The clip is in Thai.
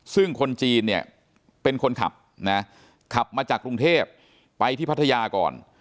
ซึ่งคนจีนเนี่ยเป็นคนขับนะขับมาจากกรุงเทพไปที่พัทยาก่อน